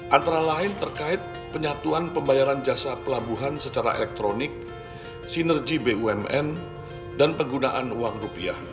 antara lain terkait penyatuan pembayaran jasa pelabuhan secara elektronik sinergi bumn dan penggunaan uang rupiah